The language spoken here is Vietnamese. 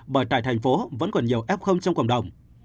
bởi tại thành phố vẫn còn nhiều f trong cộng đồng